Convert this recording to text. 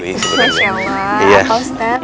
masya allah apa ustaz